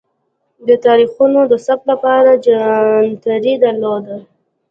د تاریخونو د ثبت لپاره جنتري درلوده.